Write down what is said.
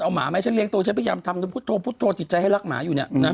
หาไหมฉันเลี้ยงตัวฉันพยายามพูดโทรติดใจให้รักหมาอยู่เนี่ย